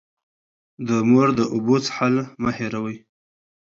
د مور د اوبو څښل مه هېروئ.